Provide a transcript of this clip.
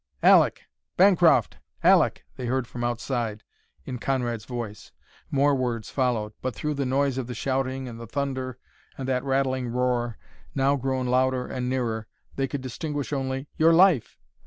"Aleck! Bancroft! Aleck!" they heard from outside, in Conrad's voice. More words followed, but through the noise of the shouting and the thunder and that rattling roar, now grown louder and nearer, they could distinguish only, "your life!"